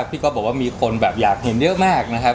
ก๊อฟบอกว่ามีคนแบบอยากเห็นเยอะมากนะครับ